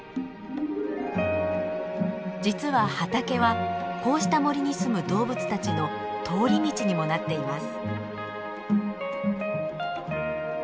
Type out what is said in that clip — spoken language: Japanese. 実は畑はこうした森にすむ動物たちの通り道にもなっています。